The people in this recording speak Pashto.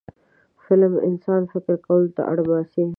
فلم انسان فکر کولو ته اړ باسي